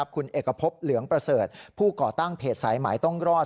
คุณเอกพบเหลืองประเสริฐผู้ก่อตั้งเพจสายหมายต้องรอด